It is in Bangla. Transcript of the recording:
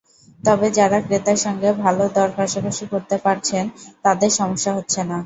তবে যাঁরা ক্রেতার সঙ্গে ভালো দর-কষাকষি করতে পারছেন, তাঁদের সমস্যা হচ্ছে না।